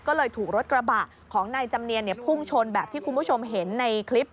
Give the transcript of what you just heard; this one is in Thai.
ก็เลยถูกรถกระบะของนายจำเนียนพุ่งชนแบบที่คุณผู้ชมเห็นในคลิป